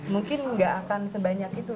mungkin nggak akan sebanyak itu